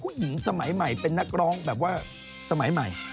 สมัยใหม่เป็นนักร้องแบบว่าสมัยใหม่